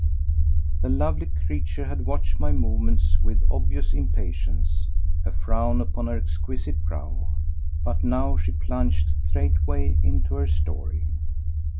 The lovely creature had watched my movements with obvious impatience, a frown upon her exquisite brow. But now she plunged straightway into her story.